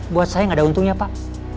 buat saya gak ada untungnya pak